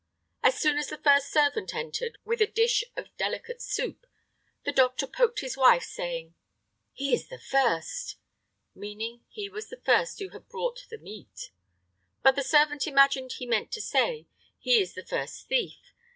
As soon as the first servant entered with a dish of delicate soup, the doctor poked his wife, saying, "He is the first!" meaning he was the first who had brought in meat. But the servant imagined he meant to say, "He is the first thief!"